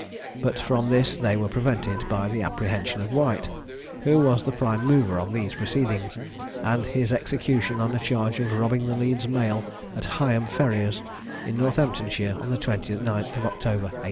But from this they were prevented by the apprehension of White, who was the prime mover of these proceedings, and his execution on a charge of robbing the Leeds mail at Higham Ferrers, in Northamptonshire, on the 29th of October, 1812.